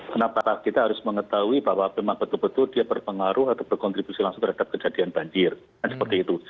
kenapa kita harus mengetahui bahwa memang betul betul dia berpengaruh atau berkontribusi langsung terhadap kejadian banjir seperti itu